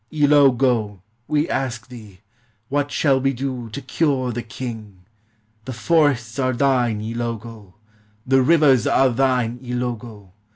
Ilogo, we ask thee, What shall we do to cure the king? The forests are thine, Ilogo! The rivers are thine, Ilogo